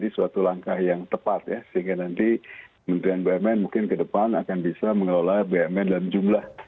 suatu langkah yang tepat ya sehingga nanti kementerian bumn mungkin ke depan akan bisa mengelola bumn dalam jumlah